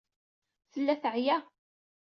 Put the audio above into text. Tella teɛya.